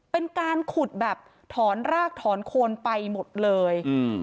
เป็นการขุดแบบถอนรากถอนโคนไปหมดเลยอืม